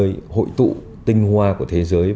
nơi hội tụ tinh hoa của thế giới